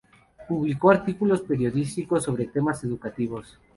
Publicó artículos periodísticos sobre temas educativos.